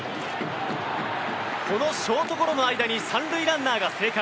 このショートゴロの間に３塁ランナーが生還。